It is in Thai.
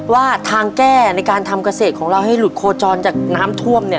ว่าทางแก้ในการทำเกษตรของเราให้หลุดโคจรจากน้ำท่วมเนี่ย